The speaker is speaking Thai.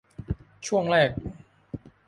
ช่วงแรก